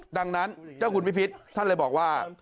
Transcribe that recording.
ดังนั้นเจ้าคุณพิพิษท่านเลยบอกว่า